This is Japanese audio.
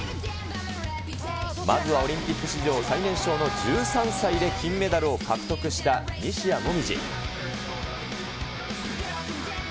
まずはオリンピック史上最年少の１３歳で金メダルを獲得した西矢椛。